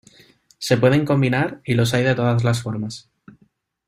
Se pueden combinar y los hay de todas las formas.